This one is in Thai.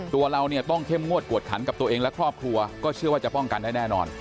ตัวเราเนี่ยต้องเข้มงวดกวดขันกับตัวเองและครอบครัวก็เชื่อว่าจะป้องกันได้แน่นอน